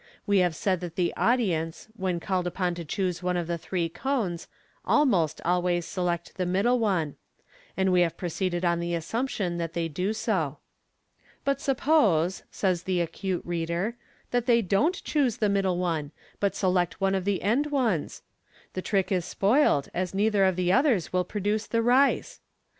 We have said that the audience, when called upon to choose one of the three cones, almost always select the middle one, and we have proceeded on the assumption that they do so. " But suppose," says the acute reader, " that they dorit choose the middle one, but select one of the end ones ; the trick is spoilt, as neither of the others will produce the rice."